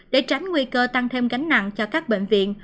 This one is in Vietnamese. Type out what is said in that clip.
để tránh nguy cơ tăng thêm gánh nặng cho các bệnh viện